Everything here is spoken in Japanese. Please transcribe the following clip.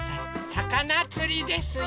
さかなつりですよ。